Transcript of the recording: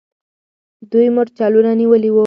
دوی مرچلونه نیولي وو.